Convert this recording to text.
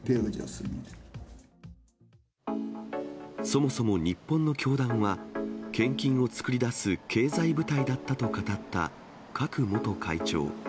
そもそも日本の教団は、献金を作り出す経済部隊だったと語ったクァク元会長。